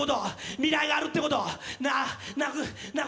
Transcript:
未来があるってこと。